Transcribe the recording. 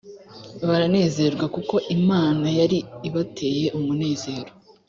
baranezerwa kuko imana yari ibateye umunezero